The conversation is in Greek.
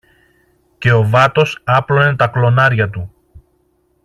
και ο βάτος άπλωνε τα κλωνάρια του